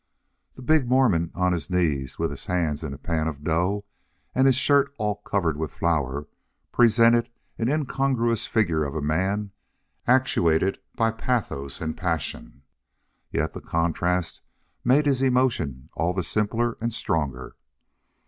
The big Mormon, on his knees, with his hands in a pan of dough, and his shirt all covered with flour, presented an incongruous figure of a man actuated by pathos and passion. Yet the contrast made his emotion all the simpler and stronger.